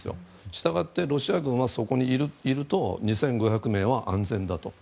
したがってロシア軍はそこにいると２５００名は安全だと。